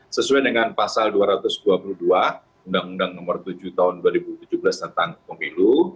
sesuai dengan pasal dua ratus dua puluh dua undang undang nomor tujuh tahun dua ribu tujuh belas tentang pemilu